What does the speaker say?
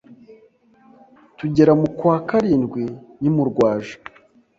tugera mu kwa karindwi nkimurwaje